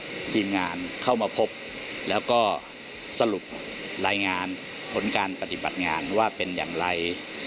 ทีมงานเข้ามาพบแล้วก็สรุปรายงานผลการปฏิบัติงานว่าเป็นอย่างไร